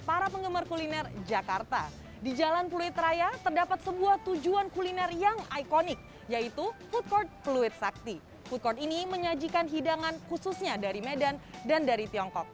food court ini menyajikan hidangan khususnya dari medan dan dari tiongkok